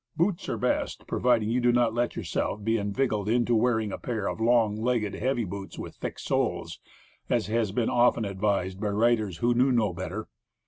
Boots are best providing you do not let yourself be inveigled into wearing a pair of long legged heavy boots with thick soles, as has been often advised by writers who knew no better.